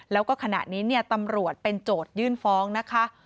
แล้วก็ขณะนี้ตำรวจเป็นโจทยื่นฟ้องนะคะ